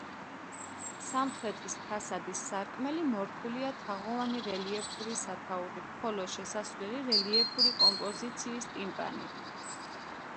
სამხრეთის ფასადის სარკმელი მორთულია თაღოვანი რელიეფური სათაურით, ხოლო შესასვლელი რელიეფური კომპოზიციის ტიმპანით.